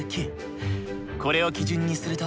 これを基準にすると。